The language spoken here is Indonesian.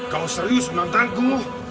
kau serius menantangku